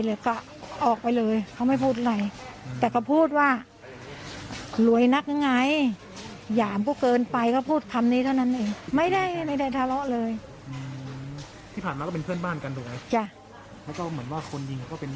แล้วก็เหมือนว่าคนยิงก็เป็นญาติของพี่และแม่ด้วย